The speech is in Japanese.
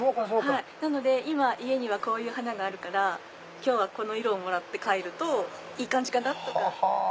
なので今家にはこういう花があるから今日はこの色をもらって帰るといい感じかな？とか。